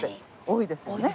多いですね。